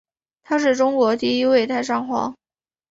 他是中国第一位太上皇。